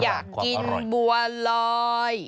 อยากกินบัวลอย